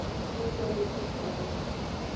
Biejene ku kpono.